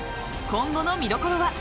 今後の見どころは。